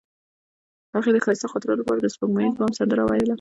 هغې د ښایسته خاطرو لپاره د سپوږمیز بام سندره ویله.